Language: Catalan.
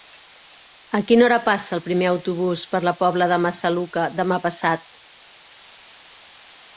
A quina hora passa el primer autobús per la Pobla de Massaluca demà passat?